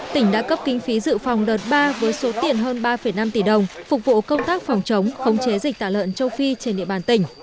tỉnh đã cấp kinh phí dự phòng đợt ba với số tiền hơn ba năm tỷ đồng phục vụ công tác phòng chống khống chế dịch tả lợn châu phi trên địa bàn tỉnh